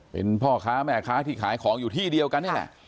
เป็นพ่อค้าแม่ค้าที่ขายของอยู่ที่เดียวกันนี่แหละ